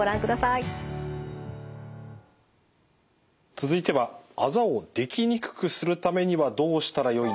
続いてはあざをできにくくするためにはどうしたらよいのか？